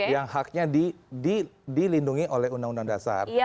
yang haknya dilindungi oleh undang undang dasar